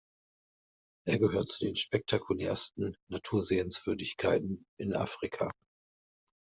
Er gehört zu den spektakulärsten Natursehenswürdigkeiten in Afrika.